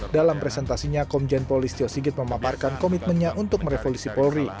dalam presentasinya komjen polis tio sigit memaparkan komitmennya untuk merevolusi polri